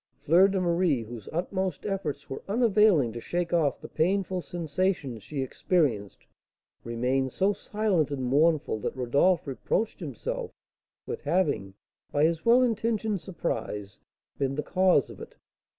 Fleur de Marie, whose utmost efforts were unavailing to shake off the painful sensations she experienced, remained so silent and mournful that Rodolph reproached himself with having, by his well intentioned surprise, been the cause of it.